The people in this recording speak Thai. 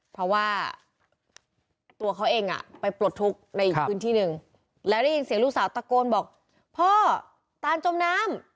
เพราะว่าตัวเขาเองไปปลดทุกข์ในพื้นที่หนึ่งแล้วได้ยินเสียงลูกสาวตะโกนบอกพ่อตานจมน้ำ